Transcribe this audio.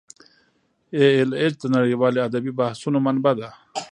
ای ایل ایچ د نړیوالو ادبي بحثونو منبع ده.